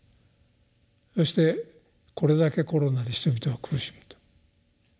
そしてこれだけコロナで人々が苦しむと。